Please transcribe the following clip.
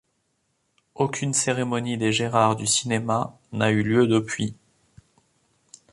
Aucune cérémonie des Gérard du Cinéma n'a eu lieu depuis.